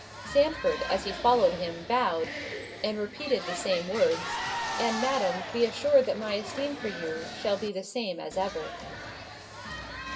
Sandford, as he followed him, bowed, and repeated the same words—"And, Madam, be assured that my esteem for you, shall be the same as ever."